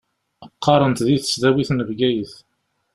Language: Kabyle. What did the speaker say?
Qqaṛent di tesdawit n Bgayet.